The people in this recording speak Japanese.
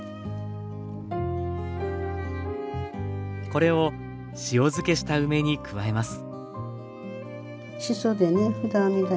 これを塩漬けした梅に加えます。